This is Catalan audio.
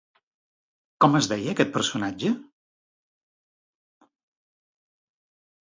Com es deia aquest personatge?